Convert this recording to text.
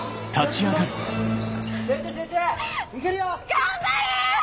・頑張れ！